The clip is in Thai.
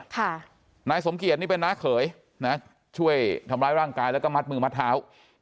นายสมเกียจนี่เป็นน้าเขยนะช่วยทำร้ายร่างกายแล้วก็มัดมือมัดเท้า